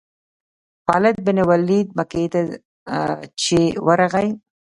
خالد بن ولید مکې ته چې ورغی.